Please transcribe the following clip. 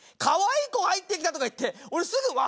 「かわいい子入ってきた」とか言って俺すぐ。